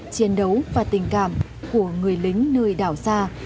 chiến đấu và tình cảm của người lính nơi đảo xa